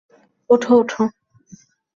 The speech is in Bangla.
ওঠো, ওঠো!